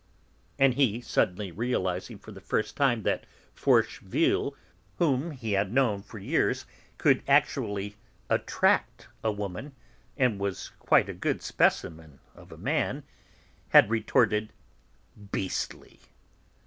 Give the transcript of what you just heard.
And he, suddenly realising for the first time that Forcheville, whom he had known for years, could actually attract a woman, and was quite a good specimen of a man, had retorted: "Beastly!"